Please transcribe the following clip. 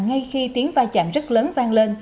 ngay khi tiếng vai chạm rất lớn vang lên